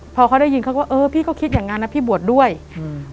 พอเขาได้ยินเขาก็เออพี่ก็คิดอย่างงั้นนะพี่บวชด้วยอืม